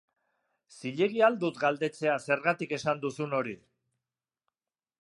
Zilegi al dut galdetzea zergatik esan duzun hori?